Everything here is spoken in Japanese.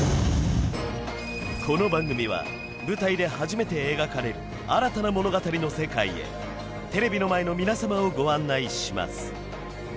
この番組は舞台で初めて描かれる新たな物語の世界へテレビの前の皆様をご案内します